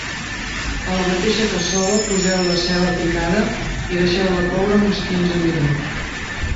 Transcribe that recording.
A la mateixa cassola poseu la ceba picada i deixeu-la coure uns quinze minuts.